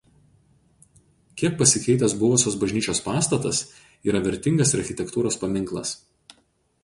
Kiek pasikeitęs buvusios bažnyčios pastatas yra vertingas architektūros paminklas.